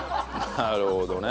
なるほどね。